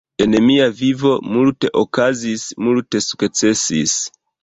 En mia vivo, multe okazis, multe sukcesis